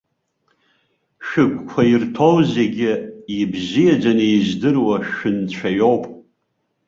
Шәыгәқәа ирҭоу зегьы, ибзиаӡаны издыруа шәынцәа иоуп.